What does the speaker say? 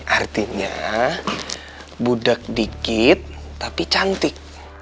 artinya budak dikit tapi cantik